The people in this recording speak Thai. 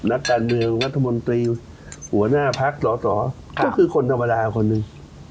นักการเมืองรัฐมนตรีหัวหน้าพักสอสอก็คือคนธรรมดาคนหนึ่ง